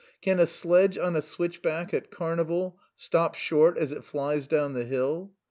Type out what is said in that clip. Can a sledge on a switchback at carnival stop short as it flies down the hill?